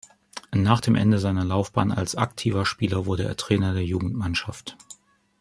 Nach dem Ende seiner Laufbahn als aktiver Spieler wurde er Trainer der Jugendmannschaft.